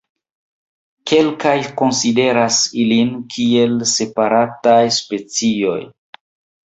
Kelkaj konsideras ilin kiel separataj specioj.